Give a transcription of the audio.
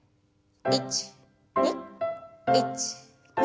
１２１２。